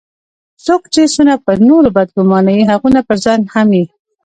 څوک چي څونه پر نورو بد ګومانه يي؛ هغونه پرځان هم يي.